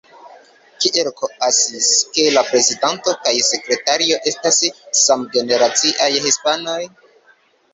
Kiel okazis, ke la prezidanto kaj sekretario estas samgeneraciaj hispanoj?